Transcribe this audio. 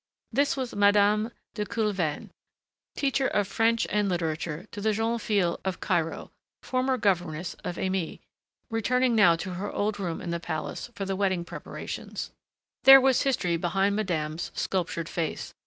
This was Madame de Coulevain, teacher of French and literature to the jeunes filles of Cairo, former governess of Aimée, returned now to her old room in the palace for the wedding preparations. There was history behind madame's sculptured face.